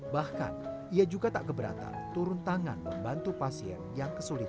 bahkan ia juga tak keberatan turun tangan membantu pasien yang terkena covid sembilan belas